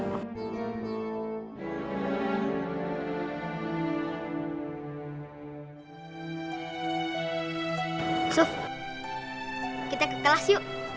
suf kita ke kelas yuk